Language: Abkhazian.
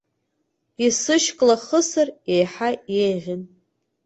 Исышьклахысыр еиҳа еиӷьын.